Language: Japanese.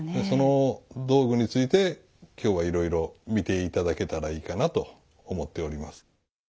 その道具について今日はいろいろ見て頂けたらいいかなと思っております。